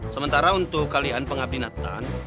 sementara untuk kalian pengabdin nathan